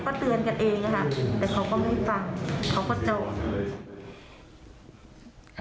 ก็เตือนกันเองอะค่ะแต่เขาก็ไม่ฟังเขาก็จอดเลย